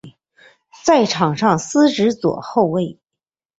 在场上司职左后卫。